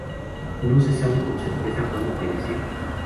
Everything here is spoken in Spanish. No se sabe con certeza cuando falleció.